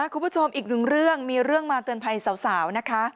คุณผู้ชมอีกหนึ่งเรื่องมีเรื่องมาเตือนภัยสาวนะคะ